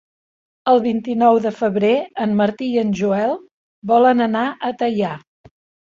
El vint-i-nou de febrer en Martí i en Joel volen anar a Teià.